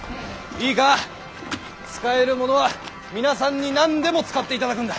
いいか使えるものは皆さんに何でも使っていただくんだ。